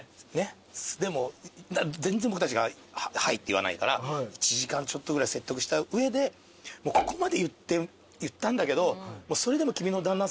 でも全然僕たちがはいって言わないから１時間ちょっとぐらい説得した上でここまで言ったんだけど。